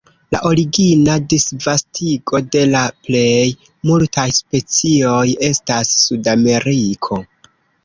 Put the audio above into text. La origina disvastigo de la plej multaj specioj estas Sudameriko.